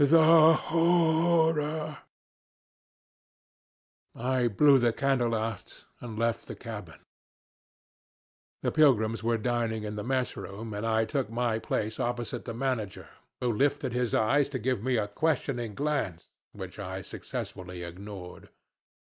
The horror!' "I blew the candle out and left the cabin. The pilgrims were dining in the mess room, and I took my place opposite the manager, who lifted his eyes to give me a questioning glance, which I successfully ignored.